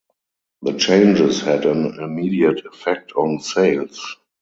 The changes had an immediate effect on sales.